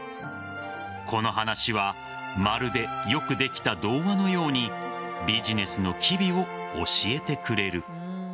その話はまるで、よくできた童話のようにビジネスの機微を教えてくれる。